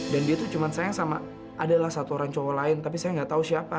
dan dia tuh cuma sayang sama adalah satu orang cowok lain tapi saya nggak tahu siapa